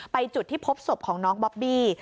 จุดที่พบศพของน้องบอบบี้